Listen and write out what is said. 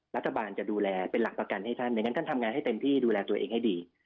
รัฐบาลจะดูแลเป็นหลักประกันให้ท่านไม่งั้นท่านทำงานให้เต็มที่ดูแลตัวเองให้ดี